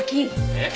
えっ？